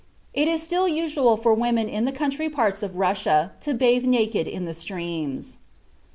It is still usual for women in the country parts of Russia to bathe naked in the streams.